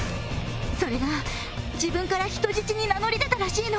それが自分から人質に名乗り出たらしいの。